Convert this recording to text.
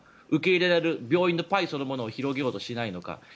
受け入れられる病院のパイそのものを広げようとしないのか。